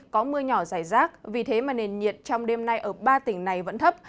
có mưa nhỏ dài rác vì thế mà nền nhiệt trong đêm nay ở ba tỉnh này vẫn thấp